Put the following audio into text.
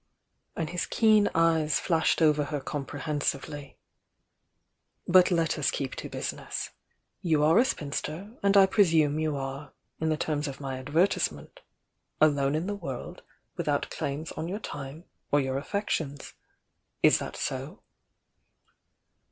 and his keen eyes flashed over her comprehensively. "But let us keep to business. You are a spinster, and I presume you are, in the terms of my adver tisement, 'alone in the world, without claims on your time or your affections.' Is that so?"